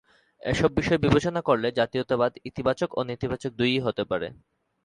এসব বিষয় বিবেচনা করলে জাতীয়তাবাদ ইতিবাচক ও নেতিবাচক দুইই হতে পারে।